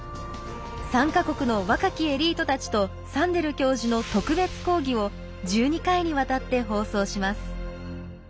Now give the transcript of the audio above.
３か国の若きエリートたちとサンデル教授の特別講義を１２回にわたって放送します。